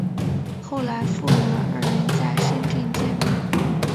后来父女二人在深圳见面。